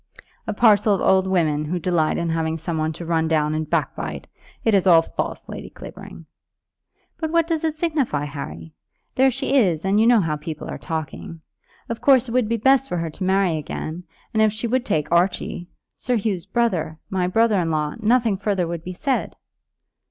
A parcel of old women who delight in having some one to run down and backbite. It is all false, Lady Clavering." "But what does it signify, Harry? There she is, and you know how people are talking. Of course it would be best for her to marry again; and if she would take Archie, Sir Hugh's brother, my brother in law, nothing further would be said.